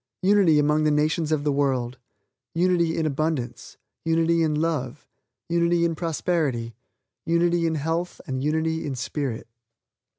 Unity among the nations of the world, unity in abundance, unity in love, unity in prosperity, unity in health and unity in spirit.